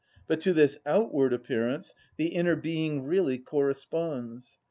But to this outward appearance the inner being really corresponds.